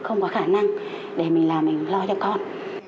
không có khả năng để mình làm mình loi cho con